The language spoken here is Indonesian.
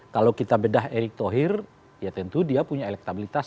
kalau kita bedah erick thohir ya tentu dia punya elektabilitas